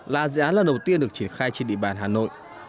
là dự án lần đầu tiên được triển khai trên địa bàn hà nội